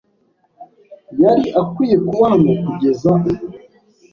yari akwiye kuba hano kugeza ubu.